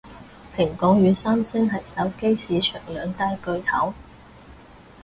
蘋果與三星係手機市場兩大巨頭